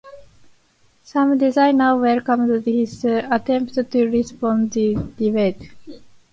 Some designers welcomed this attempt to reopen the debate, while others rejected the manifesto.